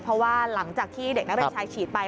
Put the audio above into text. เพราะว่าหลังจากที่เด็กนักเรียนชายฉีดไป